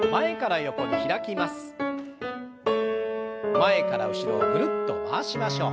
前から後ろをぐるっと回しましょう。